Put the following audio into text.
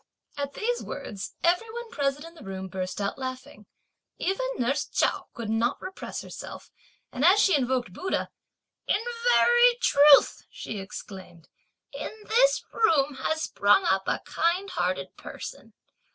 At these words every one present in the room burst out laughing; even nurse Chao could not repress herself; and as she invoked Buddha, "In very truth," she exclaimed, "in this room has sprung up a kind hearted person!